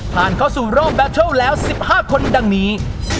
ผ่านเข้าสู่รอบแบตเทิลแล้ว๑๕คนดังนี้